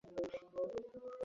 তোমার সামনেই তো ছড়িয়ে আছে।